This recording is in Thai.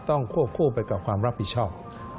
ควบคู่ไปกับความรับผิดชอบ